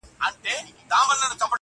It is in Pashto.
نیمه پېړۍ و جنکيدلم پاچا,